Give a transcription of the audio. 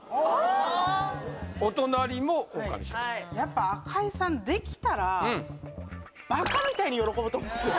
お隣もオオカミ少年やっぱ赤井さんできたらバカみたいに喜ぶと思うんですよ